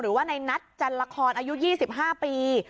หรือว่าในนัทจันละครอายุ๒๕ปี